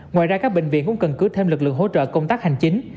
ngoài ra các bệnh viện cũng cần cứ thêm lực lượng hỗ trợ công tác hành chính